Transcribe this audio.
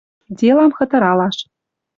Делам хытыралаш.